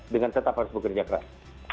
dengan tetap harus bekerja keras